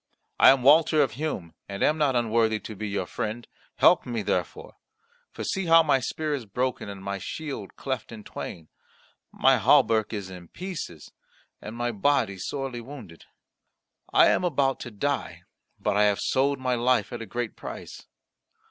I am Walter of Hum, and am not unworthy to be your friend. Help me therefore. For see how my spear is broken and my shield cleft in twain, my hauberk is in pieces, and my body sorely wounded. I am about to die; but I have sold my life at a great price."